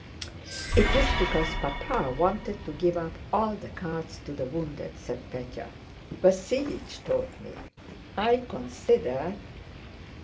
"It's because Papa wanted to give up all the carts to the wounded," said Pétya. "Vasílich told me. I consider..."